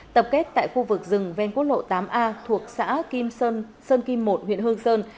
tập kết tại khu vực rừng ven quốc lộ tám a thuộc xã kim sơn sơn kim một huyện hương sơn